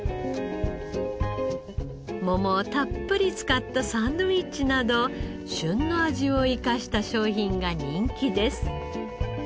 桃をたっぷり使ったサンドイッチなど旬の味を生かした商品が人気です。